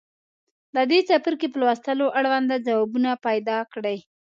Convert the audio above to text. د دې څپرکي په لوستلو اړونده ځوابونه پیداکړئ.